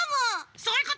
そういうこと！